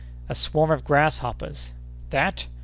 "A swarm of grasshoppers!" "That?